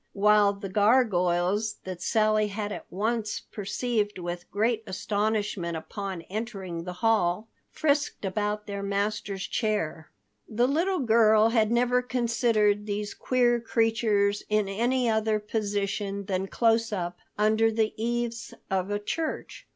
While the gargoyles that Sally had at once perceived with great astonishment upon entering the hall, frisked about their master's chair. The little girl had never considered these queer creatures in any other position than close up under the eaves of a church.